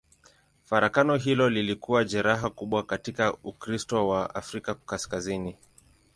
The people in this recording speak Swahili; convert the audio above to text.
Farakano hilo lilikuwa jeraha kubwa katika Ukristo wa Afrika Kaskazini.